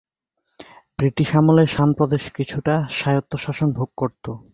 British আমলে Shan প্রদেশ কিছুটা স্বায়ত্তশাসন ভোগ করতো।